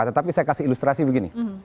tetapi saya kasih ilustrasi begini